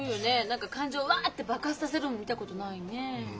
何か感情ワッて爆発させるのも見たことないねえ。